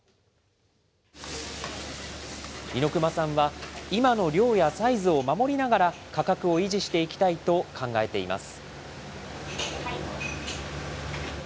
猪熊さんは、今の量やサイズを守りながら、価格を維持していきたいと考えています。